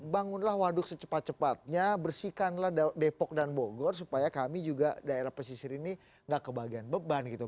bangunlah waduk secepat cepatnya bersihkanlah depok dan bogor supaya kami juga daerah pesisir ini gak kebagian beban gitu